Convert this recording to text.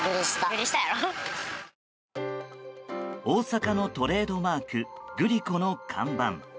大阪のトレードマークグリコの看板。